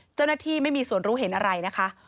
เจ้าหน้าที่ไม่มีส่วนรู้เห็นอะไรนะคะ